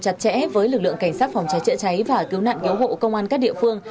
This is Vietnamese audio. chặt chẽ với lực lượng cảnh sát phòng cháy chữa cháy và cứu nạn cứu hộ công an các địa phương